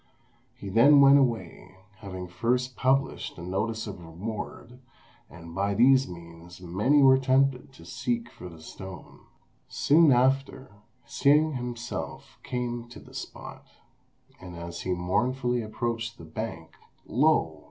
He then went away, having first published a notice of reward, and by these means many were tempted to seek for the stone. Soon after, Hsing himself came to the spot, and as he mournfully approached the bank, lo!